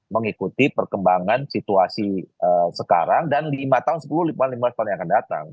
mengikuti perkembangan situasi sekarang dan lima tahun sepuluh lima belas tahun yang akan datang